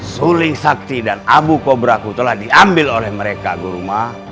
suling sakti dan abu kobra ku telah diambil oleh mereka guru mah